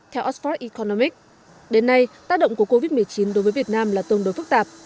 theo oxford economics đến nay tác động của covid một mươi chín đối với việt nam là tương đối phức tạp